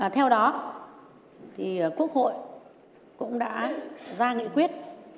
theo đó quốc hội cũng đã ra nghị quyết